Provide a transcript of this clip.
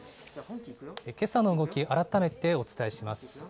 けさの動き、改めてお伝えします。